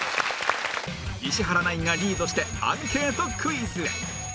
石原ナインがリードしてアンケートクイズへ